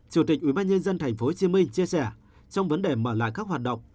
chủ tịch ubnd tp hcm chia sẻ trong vấn đề mở lại các hoạt động